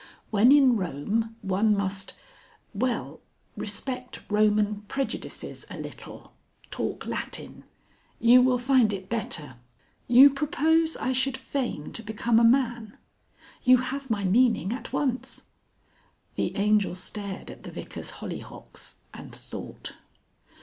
When in Rome one must well, respect Roman prejudices a little talk Latin. You will find it better " "You propose I should feign to become a man?" "You have my meaning at once." The Angel stared at the Vicar's hollyhocks and thought.